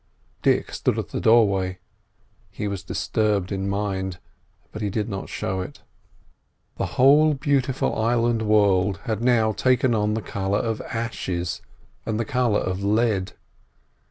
Dick stood at the doorway. He was disturbed in mind, but he did not show it. The whole beautiful island world had now taken on the colour of ashes and the colour of lead.